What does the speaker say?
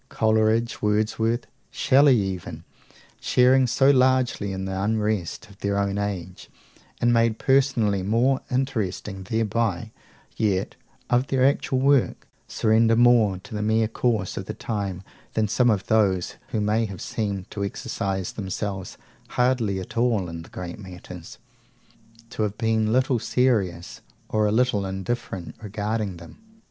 Coleridge, Wordsworth, Shelley even sharing so largely in the unrest of their own age, and made personally more interesting thereby, yet, of their actual work, surrender more to the mere course of time than some of those who may have seemed to exercise themselves hardly at all in great matters, to have been little serious, or a little indifferent, regarding them.